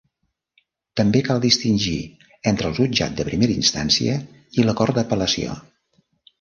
També cal distingir entre el Jutjat de Primera Instància i la Cort d'Apel·lació.